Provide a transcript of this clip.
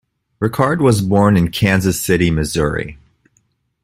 Rickard was born in Kansas City, Missouri.